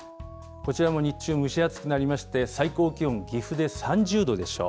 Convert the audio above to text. こちらも日中蒸し暑くなりまして、最高気温、岐阜で３０度でしょう。